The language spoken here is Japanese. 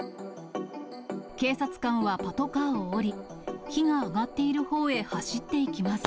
警察官はパトカーを降り、火が上がっているほうへ走っていきます。